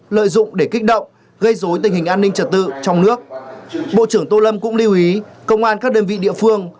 lợi dụng để kích động gây dối tình hình an ninh trật tự trong nước bộ trưởng tô lâm cũng lưu ý công an các đơn vị địa phương